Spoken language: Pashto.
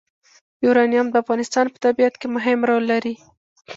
یورانیم د افغانستان په طبیعت کې مهم رول لري.